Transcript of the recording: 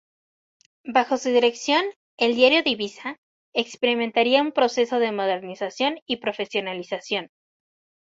Bajo su dirección, el "Diario de Ibiza" experimentaría un proceso de modernización y profesionalización.